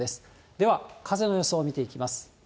では、風の予想を見ていきます。